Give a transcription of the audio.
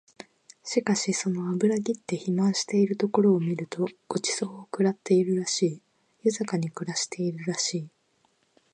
しかしその脂ぎって肥満しているところを見ると御馳走を食ってるらしい、豊かに暮らしているらしい